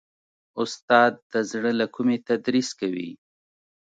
استاد د زړه له کومي تدریس کوي.